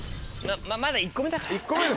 まだ１個目だから。